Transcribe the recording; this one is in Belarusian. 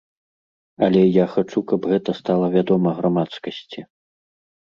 Але я хачу, каб гэта стала вядома грамадскасці.